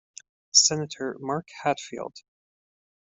Senator Mark Hatfield.